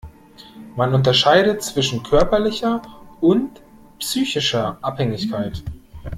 Man unterscheidet zwischen körperlicher und psychischer Abhängigkeit.